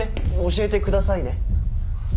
教えてください。